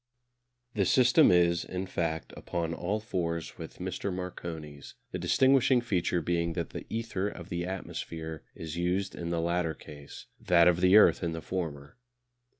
The system is, in fact, upon all fours with Mr. Marconi's, the distinguishing feature being that the ether of the atmosphere is used in the latter case, that of the earth in the former.